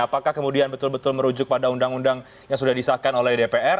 apakah kemudian betul betul merujuk pada undang undang yang sudah disahkan oleh dpr